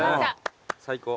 最高。